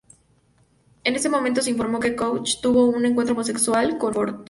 En ese momento se informó que Crouch tuvo un encuentro homosexual con Ford.